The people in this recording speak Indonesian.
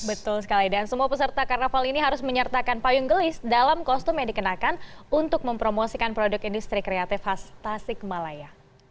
betul sekali dan semua peserta karnaval ini harus menyertakan payung gelis dalam kostum yang dikenakan untuk mempromosikan produk industri kreatif khas tasik malaya